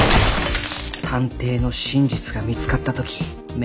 探偵の真実が見つかった時名